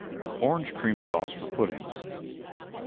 ORANGE CREAM SAUCE FOR PUDDINGS.